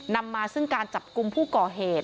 นำมาซึ่งการจับกลุ่มผู้ก่อเหตุ